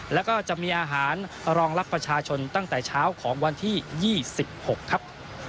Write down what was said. แล้วก็จะมีอาหารรองรับประชาชนตั้งแต่เช้าของวันที่๒๖ครับ